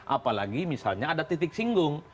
apalagi misalnya ada titik singgung